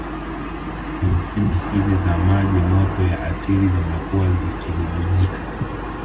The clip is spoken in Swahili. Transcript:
Chemchemi hizi za maji moto ya asili zimekuwa zikibubujika